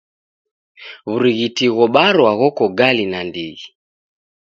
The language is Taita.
W'urighiti ghobarwa ghoko gali nandighi.